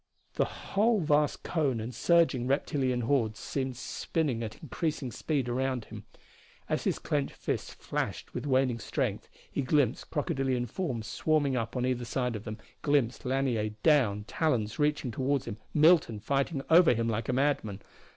The whole vast cone and surging reptilian hordes seemed spinning at increasing speed around him. As his clenched fists flashed with waning strength he glimpsed crocodilian forms swarming up on either side of them, glimpsed Lanier down, talons reaching toward him, Milton fighting over him like a madman.